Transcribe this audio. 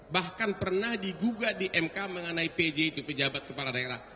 bahkan pernah digugat di mk mengenai pj itu pejabat kepala daerah